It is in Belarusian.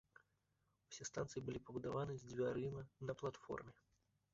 Усе станцыі былі пабудаваны з дзвярыма на платформе.